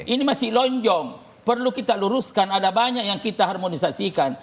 ini masih lonjong perlu kita luruskan ada banyak yang kita harmonisasikan